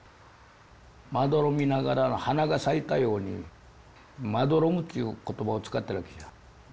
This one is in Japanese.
まどろみながら花が咲いたように「まどろむ」という言葉を使ってるわけよ。